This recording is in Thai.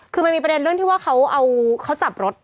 คือมันมีประเด็นเรื่องที่ว่าเขาเอาเขาจับรถ